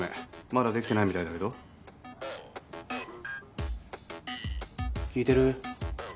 まだできてないみたいだけど聞いてる？